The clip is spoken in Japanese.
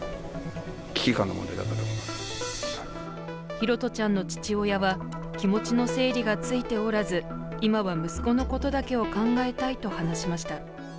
拓杜ちゃんの父親は、気持ちの整理がついておらず、今は、息子のことだけを考えたいと話しました。